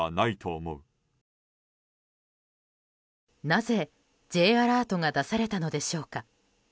なぜＪアラートが出されたのでしょうか。